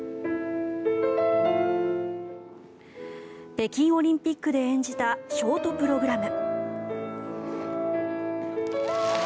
北京オリンピックで演じたショートプログラム。